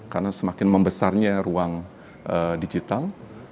karena semakin membesarnya ruang digital